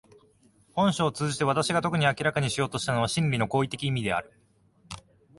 本書を通じて私が特に明らかにしようとしたのは真理の行為的意味である。